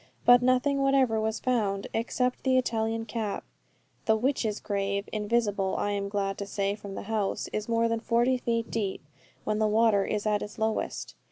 But nothing whatever was found, except the Italian cap. The "Witches' grave," invisible I am glad to say from the house, is more than forty feet deep, when the water is at its lowest.